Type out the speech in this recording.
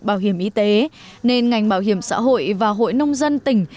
bảo hiểm y tế nên ngành bảo hiểm xã hội và hội nông dân tỉnh